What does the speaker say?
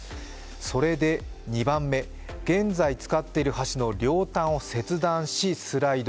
それで、２番目、現在使っている橋の両端を切断し、スライド。